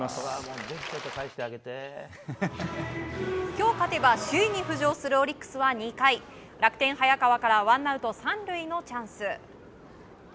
今日勝てば首位に浮上するオリックスは２回楽天、早川からワンアウト３塁のチャンス。